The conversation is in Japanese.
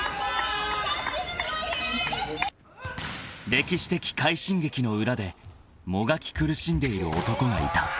・［歴史的快進撃の裏でもがき苦しんでいる男がいた］